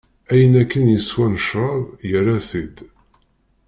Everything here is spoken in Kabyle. Ayen akken yeswa n ccrab, yerra-t-id.